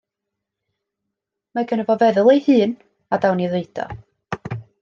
Mae gynno fo feddwl ei hun, a dawn i'w ddeud o.